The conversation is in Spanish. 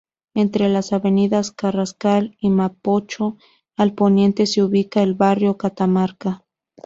Entre las avenidas Carrascal y Mapocho, al poniente, se ubica el Barrio Catamarca.